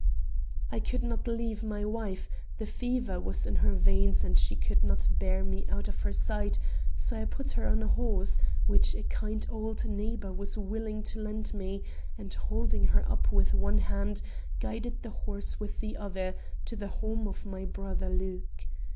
I could not leave my wife; the fever was in her veins and she could not bear me out of her sight; so I put her on a horse, which a kind old neighbor was willing to lend me, and holding her up with one hand, guided the horse with the other, to the home of my brother Luke.